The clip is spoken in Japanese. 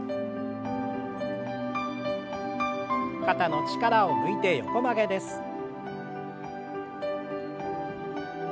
肩の力を抜いて横曲げです。